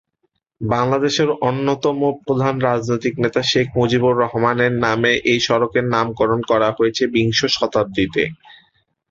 বাংলাদেশের অন্যতম প্রধান রাজনৈতিক নেতা শেখ মুজিবুর রহমানের নামে এ সড়কের নামকরণ করা হয়েছে বিংশ শতাব্দীতে।